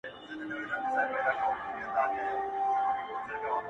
د طبیعت په تقاضاوو کي یې دل و ول کړم;